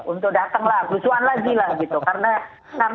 untuk datenglah pelusuhan lagi lah gitu karena